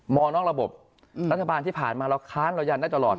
นอกระบบรัฐบาลที่ผ่านมาเราค้านเรายันได้ตลอด